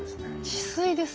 治水ですか。